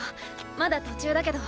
まだ途中だけど。